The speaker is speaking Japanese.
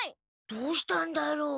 どうしたんだろう？